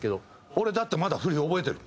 俺だってまだ振り覚えてる。